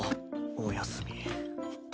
おやすみ。